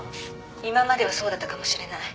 今まではそうだったかもしれない。